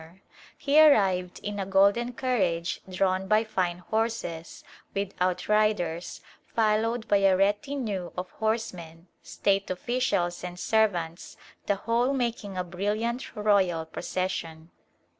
A Favorable Introduction He arrived in a golden carriage drawn by fine horses, with outriders, followed by a retinue of horsemen, state officials and servants, the whole making a bril liant royal procession.